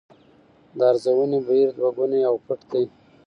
د ارزونې بهیر دوه ګونی او پټ دی.